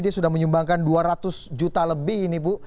dia sudah menyumbangkan dua ratus juta lebih ini bu